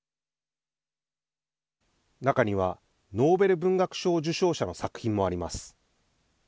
中にはノーベル文学賞受賞者の作品もあります。